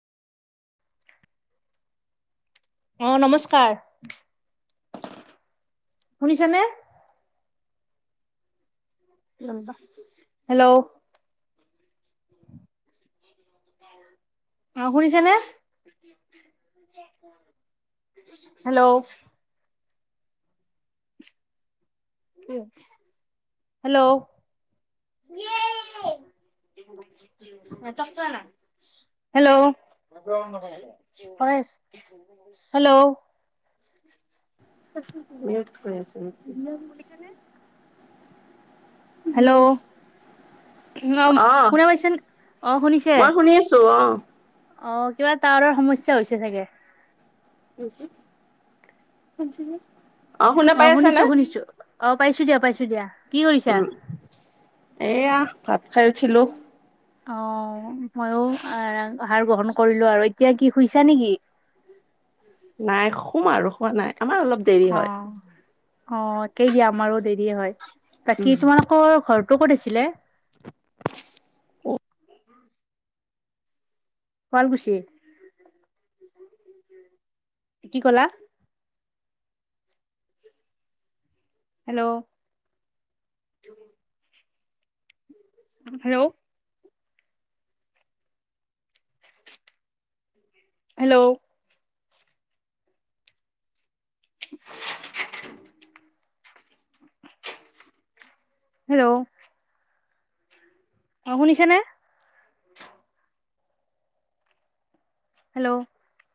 অহ নমস্কাৰ। শুনিচে নে? হেল্ল'। আহ শুনিছে নে? হেল্ল'। হেল্ল'। [inaudible] [unintelligible] হেল্ল'। কৰি আছে। [unintelligible] হেল্ল' উম। অ অ' শুনা পাইছে অ শুনিছে মই শুনি আছো অ। অ' কিবা টাৱাৰৰ সমস্যা হৈছে চাগে। [unintelligible] অ' পাই আছা শুনিছো না? শুনিছো। অ পাইছো দিয়া, পাইছো দিয়া। কি কৰিছা? এইয়া ভাত খাই উঠিলোঁ। অ' ময়ো। আহাৰ গ্ৰহণ কৰিলো আৰু। এতিয়া কি শুইছা নেকি? নাই সোম আৰু সোৱা নাই। আমাৰ অলপ দেৰি অ হয়। অ একেই দিয়া আমাৰু দেৰি হয়। উম, বাকী তোমালোকৰ ঘৰৰতো ক'ত আছিলে? অ শুৱালকুছি কি কলা? হেল্ল'। হেল্ল'। হেল্ল'। [inaudible] হেল্ল'। অ', শুনিছেনে? হেল্ল'।